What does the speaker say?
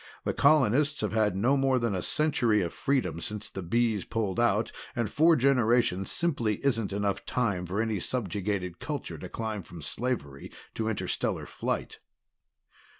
The colonists have had no more than a century of freedom since the Bees pulled out, and four generations simply isn't enough time for any subjugated culture to climb from slavery to interstellar flight."